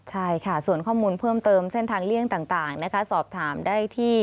ใช่ค่ะส่วนข้อมูลเพิ่มเติมเส้นทางเลี่ยงต่างนะคะสอบถามได้ที่